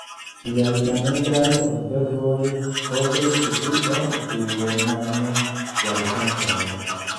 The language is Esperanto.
Liaj planedaj observoj kovris pli ol duonan jarcenton.